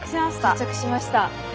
到着しました。